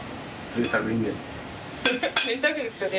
ぜいたくですよね。